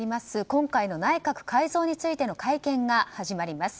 今回の内閣改造についての会見が始まります。